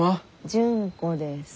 純子です。